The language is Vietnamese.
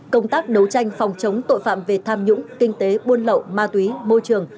công tác đấu tranh phòng chống tội phạm về tham nhũng kinh tế buôn lậu ma túy môi trường